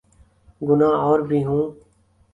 گناہ اور بھی ہوں۔